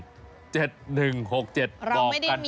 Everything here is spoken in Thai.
บอกกันตัดหน่อยเราไม่ได้มีการอะไรใด